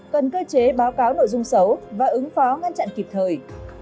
cần cơ chế báo cáo nội dung xấu và ứng phó ngăn chặn kịp thời